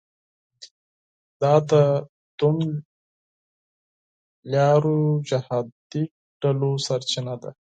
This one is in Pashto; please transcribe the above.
دا د توندلارو جهادي ډلو سرچینه ده.